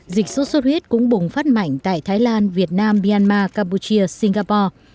dịch sốt xuất huyết cũng bùng phát mạnh tại thái lan việt nam myanmar campuchia singapore